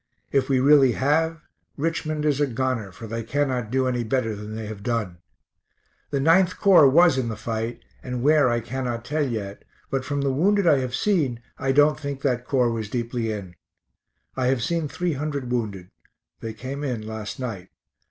If we really have, Richmond is a goner, for they cannot do any better than they have done. The 9th Corps was in the fight, and where I cannot tell yet, but from the wounded I have seen I don't think that Corps was deeply in. I have seen 300 wounded. They came in last night.